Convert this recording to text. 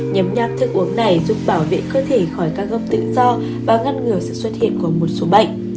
nhấm nhạt thức uống này giúp bảo vệ cơ thể khỏi các gốc tự do và ngăn ngừa sự xuất hiện của một số bệnh